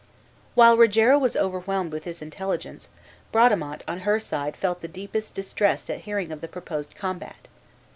While Rogero was overwhelmed with this intelligence Bradamante on her side felt the deepest distress at hearing of the proposed combat.